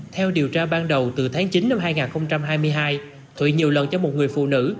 theo điều tra ban đầu từ tháng chín năm hai nghìn hai mươi hai thụy nhiều lần cho một người phụ nữ